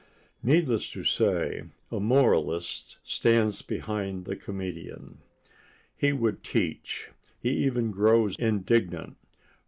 Needless to say, a moralist stands behind the comedian. He would teach; he even grows indignant.